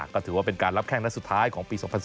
ก็ถือว่าเป็นการรับแข้งนัดสุดท้ายของปี๒๐๑๙